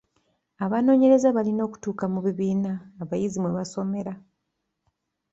Abanoonyereza baalina okutuuka mu bibiina abayizi mwe basomera.